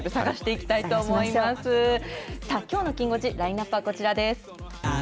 きょうのきん５時、ラインナップはこちらです。